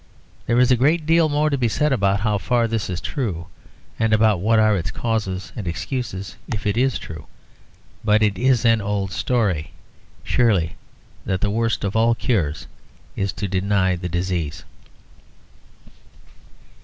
There is a great deal more to be said about how far this is true, and about what are its causes and excuses if it is true. But it is an old story, surely, that the worst of all cures is to deny the disease.